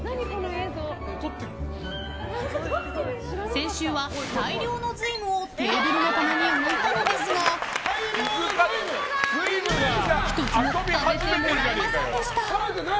先週は、大量の瑞夢をテーブルの棚に置いたのですが１つも食べてもらえませんでした。